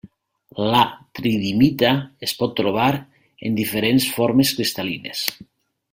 La tridimita es pot trobar en diferents formes cristal·lines.